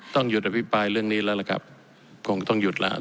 ต้องหยุดอภิปรายเรื่องนี้แล้วล่ะครับคงต้องหยุดแล้ว